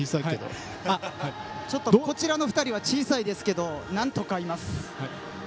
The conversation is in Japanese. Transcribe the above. こちらの２人小さいですがなんとかいます。